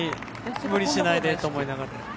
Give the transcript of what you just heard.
無理しないでと思いながら。